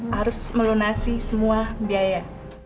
harus melunasi semua biaya